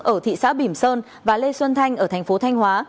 ở thị xã bỉm sơn và lê xuân thanh ở thành phố thanh hóa